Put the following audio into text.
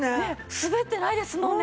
滑ってないですもんね。